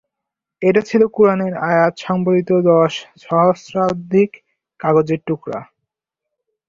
এটা ছিল কুরআনের আয়াত সংবলিত দশ সহস্রাধিক কাগজের টুকরো।